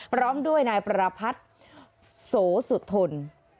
พร้อมด้วยนายประพัทธ์โสสุธน